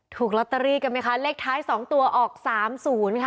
ถูกล็อตเตอรี่กันไหมคะเลขท้ายสองตัวออกสามศูนย์ค่ะ